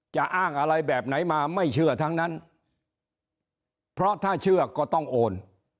จะอ้างอะไรแบบไหนมาไม่เชื่อทั้งนั้นเพราะถ้าเชื่อก็ต้องโอน